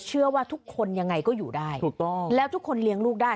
เชื่อว่าทุกคนยังไงก็อยู่ได้ถูกต้องแล้วทุกคนเลี้ยงลูกได้